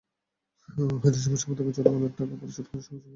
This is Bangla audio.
ওহিদুজ্জামানের সমর্থককে জরিমানার টাকা পরিশোধ করে সঙ্গে সঙ্গে ছাড়িয়ে নেওয়া হয়।